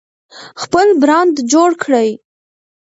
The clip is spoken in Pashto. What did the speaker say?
خپل برند جوړ کړئ.